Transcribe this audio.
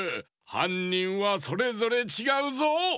はんにんはそれぞれちがうぞ！